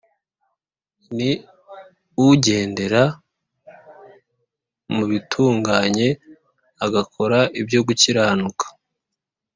Ni ugendera mu bitunganye agakora ibyo gukiranuka